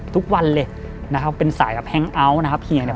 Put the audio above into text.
ทุกวันเลยนะครับเป็นสายแบบแฮงเอาท์นะครับเฮียเนี่ย